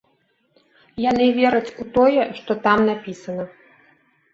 Яны вераць у тое, што там напісана.